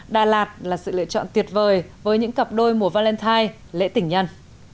đà lạt là sự lựa chọn tuyệt vời với những cặp đôi mùa valentine lễ tỉnh nhân